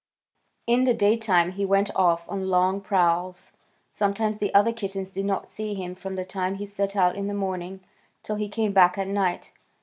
In the daytime he went off on long prowls. Sometimes the other kittens did not see him from the time he set out in the morning till he came back at night.